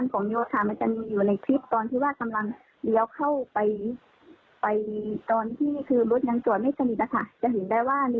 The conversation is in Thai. ก็ต้องระวังนะครับ